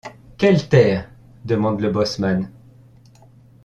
Quelle terre ? demande le bosseman.